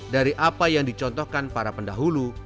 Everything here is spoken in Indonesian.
dari apa yang dicontohkan para pendahulu